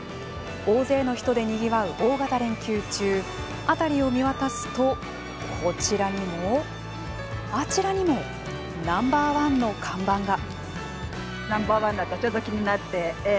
大勢の人でにぎわう大型連休中辺りを見渡すとこちらにも、あちらにもＮｏ．１の看板が。